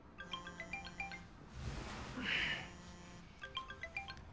うん。